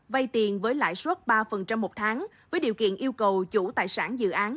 vay tiền với lãi suất ba một tháng với điều kiện yêu cầu chủ tài sản dự án